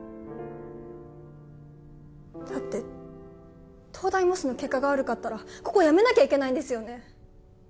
だって東大模試の結果が悪かったらここやめなきゃいけないんですよね？